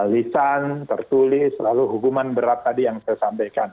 lisan tertulis lalu hukuman berat tadi yang saya sampaikan